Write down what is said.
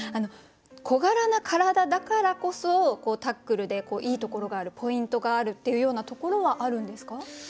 小柄な体だからこそタックルでいいところがあるポイントがあるっていうようなところはあるんですか？